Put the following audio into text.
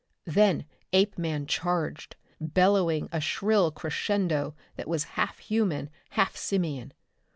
Then Apeman charged, bellowing a shrill crescendo that was half human, half simian.